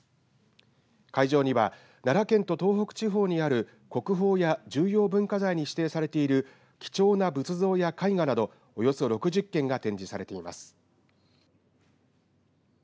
会場には奈良県と東北地方にある国宝や重要文化財に指定されている貴重な仏像や絵画などおよそ６０件が展示されています。